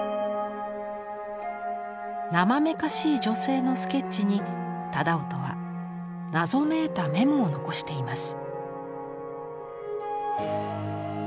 なまめかしい女性のスケッチに楠音は謎めいたメモを残しています。